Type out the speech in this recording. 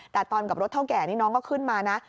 แต่ตอนกับรถเท่าแก่นี่น้องก็ขึ้นมานะ